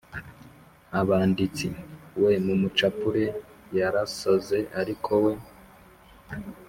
abanditsi, “we, mumucapure, 'yarasaze ariko we'